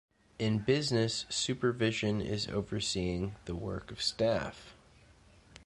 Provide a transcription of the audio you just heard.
In business, supervision is overseeing the work of staff.